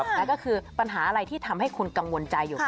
แล้วก็คือปัญหาอะไรที่ทำให้คุณกังวลใจอยู่